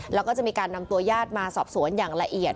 แล้วก็จะมีการนำตัวญาติมาสอบสวนอย่างละเอียด